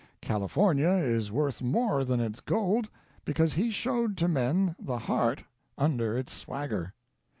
California is worth more than its gold because he showed to men the heart under its swagger.